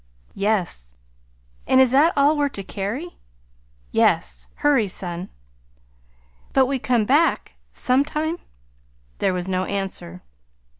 "Yes." "And is that all we're to carry?" "Yes. Hurry, son." "But we come back sometime?" There was no answer.